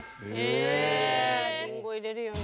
リンゴ入れるよね。